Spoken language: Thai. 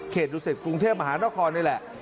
เขตรุศิษย์กรุงเทพมหานครนี่แหละ